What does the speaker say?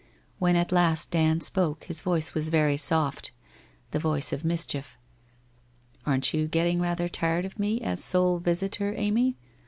When at last Dand spoke his voice was very soft — the voice of mischief. ' Aren't you getting rather tired of me as sole visitor, Amy?